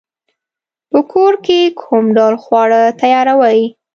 په کور کی کوم ډول خواړه تیاروئ؟